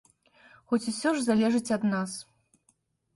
Хоць усё ж залежыць ад нас.